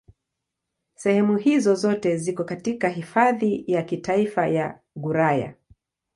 Sehemu hizo zote ziko katika Hifadhi ya Kitaifa ya Gouraya.